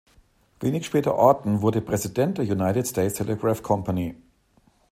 Wenig später Orton wurde Präsident der "United States Telegraph Company".